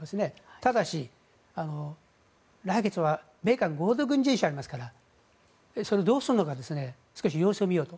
ただし、来月は米韓の合同軍事演習がありますからそれをどうするのか少し様子を見ようと。